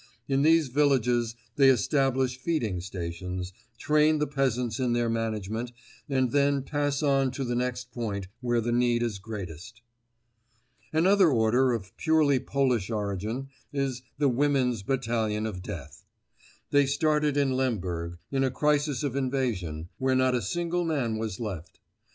In these villages they establish feeding stations, train the peasants in their management and then pass on to the next point where the need is greatest. Another order of purely Polish origin is The Women's Battalion of Death. They started in Lemberg, in a crisis of invasion, when not a single man was left.